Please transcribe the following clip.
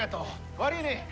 悪いね。